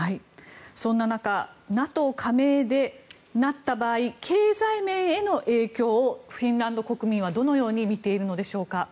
そんな中ＮＡＴＯ加盟になった場合経済面への影響をフィンランド国民はどのように見ているのでしょうか。